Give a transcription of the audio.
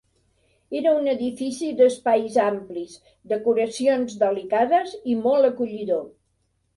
Era un edifici d'espais amplis, decoracions delicades i molt acollidor.